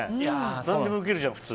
何でも受けるじゃん、普通。